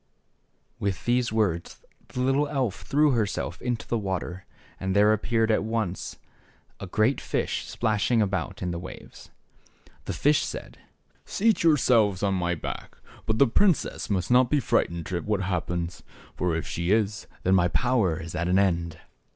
With these words the little elf threw herself into the water, and there appeared at once a great fish splashing about in the waves. The fish said, Seat yourselves on my back. But the princess must not be frightened at what hap pens; for if she is, then my power is at an end."